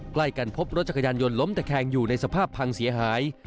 ใกล้กันพบรถจักรยานยนต์ล้มตะแคงอยู่ในสภาพพังเสียหาย